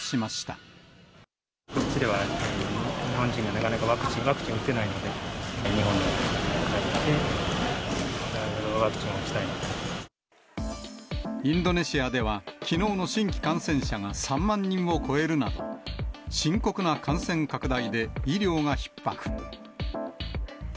こっちでは、日本人がなかなかワクチン打てないので、日本に帰って、ワクチンインドネシアでは、きのうの新規感染者が３万人を超えるなど、深刻な感染拡大で医療がひっ迫。